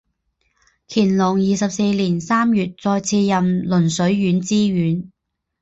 乾隆二十四年三月再次任邻水县知县。